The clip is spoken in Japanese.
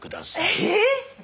えっ？